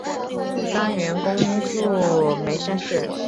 专员公署驻眉山县。